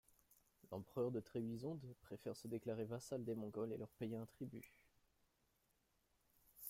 L’empereur de Trébizonde préfère se déclarer vassal des Mongols et leur payer un tribut.